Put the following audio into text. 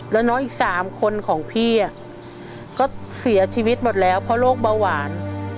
แล้วน้องอีก๓คนของพี่ก็เสียชีวิตหมดแล้วเพราะโรคเบาหวาน